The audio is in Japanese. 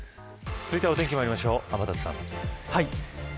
続いては、お天気まいりましょう天達さん。